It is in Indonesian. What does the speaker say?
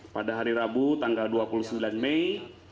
pada hari rabu tanggal dua puluh sembilan mei